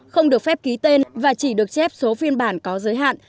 không được phép ký tên và chỉ được chép số phiên bản có giới hạn